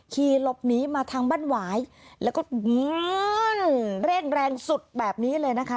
ขี่หลบหนีมาทางบ้านหวายแล้วก็เร่งแรงสุดแบบนี้เลยนะคะ